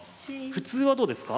普通はどうですか？